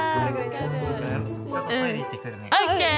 オッケー。